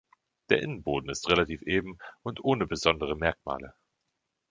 Der Innenboden ist relativ eben und ohne besondere Merkmale.